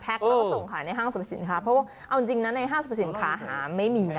แล้วก็ส่งขายในห้างสรรพสินค้าเพราะว่าเอาจริงนะในห้างสรรพสินค้าหาไม่มีนะ